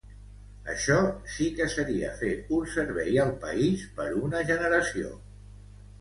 Això sí que seria fer un servei al país per una generació.